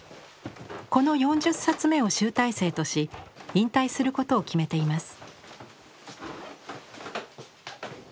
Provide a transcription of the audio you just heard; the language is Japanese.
この４０冊目を集大成とし引退することを決めています。